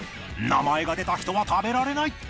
［名前が出た人は食べられない。